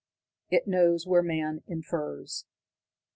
It knows where man infers.